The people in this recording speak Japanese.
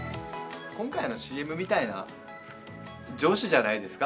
今回のＣＭみたいな上司じゃないですか。